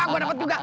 gua dapet juga